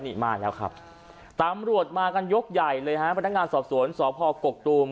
นี่มาแล้วครับตำรวจมากันยกใหญ่เลยฮะพนักงานสอบสวนสพกกตูม